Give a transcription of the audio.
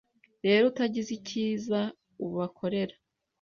Rero utagize icyiza ubakorera,